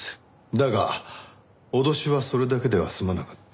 だが脅しはそれだけでは済まなかった。